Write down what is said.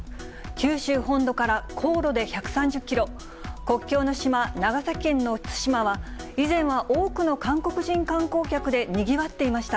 九州本土から航路で１３０キロ、国境の島、長崎県の対馬は、以前は多くの韓国人観光客でにぎわっていました。